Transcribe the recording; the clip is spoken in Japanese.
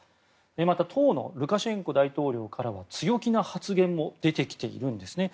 また当のルカシェンコ大統領からも強気な発言も出てきているんですね。